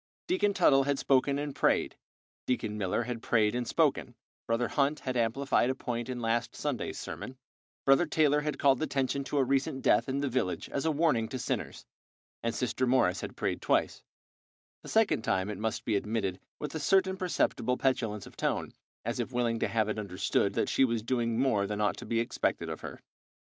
Deacon Tuttle had spoken and prayed, Deacon Miller had prayed and spoken, Brother Hunt had amplified a point in last Sunday's sermon, Brother Taylor had called attention to a recent death in the village as a warning to sinners, and Sister Morris had prayed twice, the second time it must be admitted, with a certain perceptible petulance of tone, as if willing to have it understood that she was doing more than ought to be expected of her.